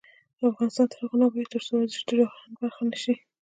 افغانستان تر هغو نه ابادیږي، ترڅو ورزش د ژوند برخه نشي.